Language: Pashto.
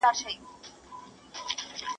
ده زړونو کور کلي له راشه، نو ودان به شې